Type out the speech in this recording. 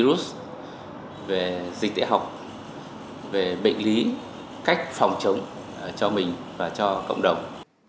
virus về dịch tễ học về bệnh lý cách phòng chống cho mình và cho cộng đồng